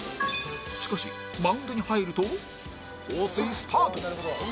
しかしマウンドに入ると放水スタート